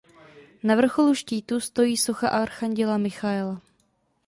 Na vrcholu štítu stojí socha archanděla Michaela.